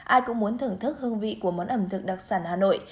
ai cũng muốn thưởng thức hương vị của món ẩm thực đặc sản hà nội